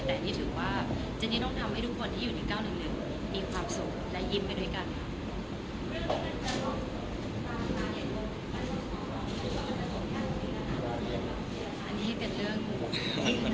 นี้ถือว่าท่านท่านที่อยู่ในเก้านึกมีความสงสมและยิ้มไปด้วยกัน